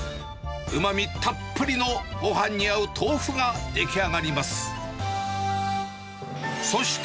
うまみたっぷりのごはんに合う豆腐が出来上がります。